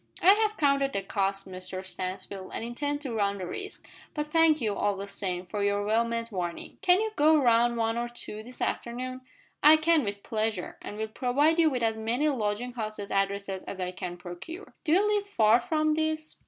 "I have counted the cost, Mr Stansfield, and intend to run the risk; but thank you, all the same, for your well meant warning. Can you go round one or two this afternoon?" "I can, with pleasure, and will provide you with as many lodging house addresses as I can procure. Do you live far from this?"